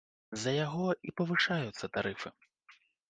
З-за яго і павышаюцца тарыфы.